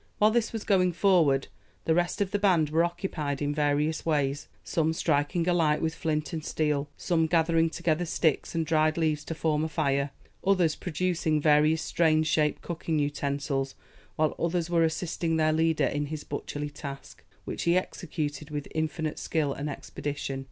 While this was going forward the rest of the band were occupied in various ways some striking a light with flint and steel some gathering together sticks and dried leaves to form a fire others producing various strange shaped cooking utensils while others were assisting their leader in his butcherly task, which he executed with infinite skill and expedition.